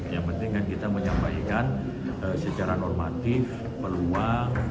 yang penting kan kita menyampaikan secara normatif peluang